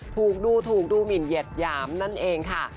ถูกดูถูกดูหมินเหยียดหยามนั่นเองค่ะ